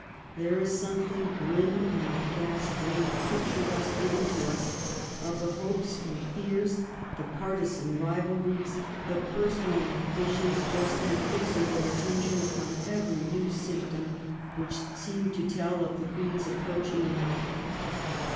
There is something grim and ghastly in the picture thus given to us of the hopes and fears, the partisan rivalries, the personal ambitions just then fixing their attention upon every new symptom which seemed to tell of the Queen's approaching end.